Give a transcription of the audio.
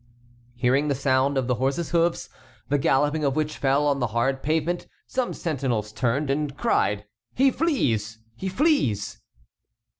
Hearing the sound of the horse's hoofs, the galloping of which fell on the hard pavement, some sentinels turned and cried: "He flees! He flees!"